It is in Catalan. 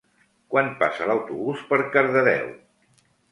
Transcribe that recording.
Quan passa l'autobús per Cardedeu?